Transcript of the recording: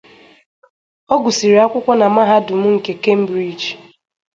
Ọ gụsịrị akwụkwọ na Mahadum nke Cambridge.